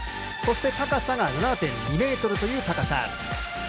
そして高さが７．２ｍという高さ。